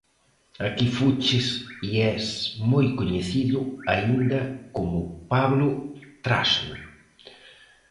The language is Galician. Aquí fuches e es moi coñecido aínda como Pablo Trasno.